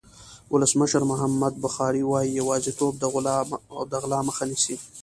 ولسمشر محمد بخاري وایي یوازېتوب د غلا مخه نیسي.